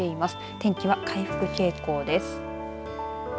天気は回復傾向です。